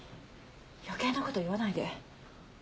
余計な事言わないで。